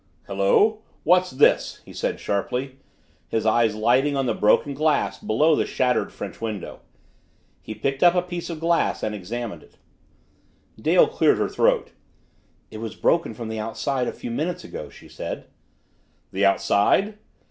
"Hello what's this?" he said sharply, his eye lighting on the broken glass below the shattered French window. He picked up a piece of glass and examined it. Dale cleared her throat. "It was broken from the outside a few minutes ago," she said. "The outside?"